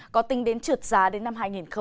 có tính đến trượt giá đến năm hai nghìn hai mươi